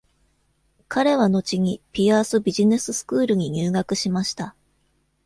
彼は後にピアースビジネススクールに入学しました。